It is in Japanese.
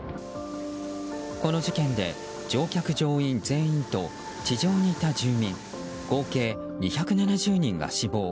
この事件で乗客・乗員全員と地上にいた住民合計２７０人が死亡。